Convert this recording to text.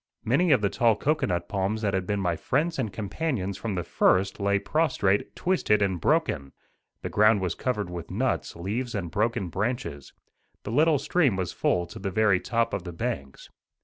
Many of the tall cocoanut palms that had been my friends and companions from the first lay prostrate, twisted and broken. The ground was covered with nuts, leaves and broken branches. The little stream was full to the very top of the banks.